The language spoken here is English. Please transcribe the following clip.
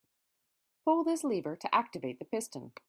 Pull this lever to activate the piston.